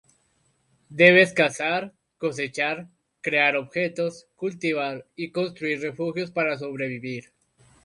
Debes cazar, cosechar, crear objetos, cultivar, y construir refugios para sobrevivir.